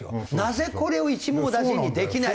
なぜこれを一網打尽にできないのか？